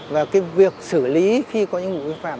và cái việc xử lý khi có những vụ vi phạm